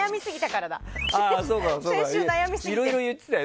いろいろ言ってたよ。